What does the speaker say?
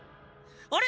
あれ？